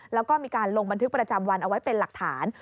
แล้วก็มีการลงบันทึกประจำวันเอาไว้เป็นหลักฐาน